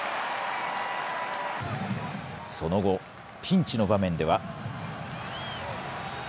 その後、ピンチの場面では。